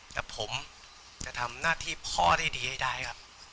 แต่ผมจะทำหน้าที่พ่อได้ดีให้ได้ครับ